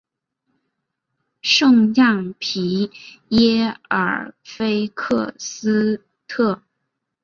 圣让皮耶尔菲克斯特。